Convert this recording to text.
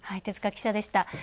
手塚記者でした。